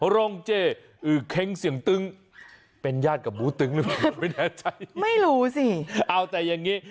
โรงเจอือเค้งเสียงตึ้งเป็นญาติกับบูตึ้งหรือเปล่าไม่แน่ใจไม่รู้สิเอาแต่อย่างงี้